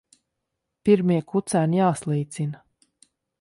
Pirmie kucēni jāslīcina.